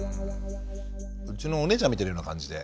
うちのお姉ちゃん見てるような感じで。